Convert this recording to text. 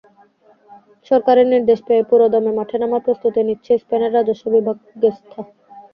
সরকারের নির্দেশ পেয়ে পুরোদমে মাঠে নামার প্রস্তুতি নিচ্ছে স্পেনের রাজস্ব বিভাগ গেস্থা।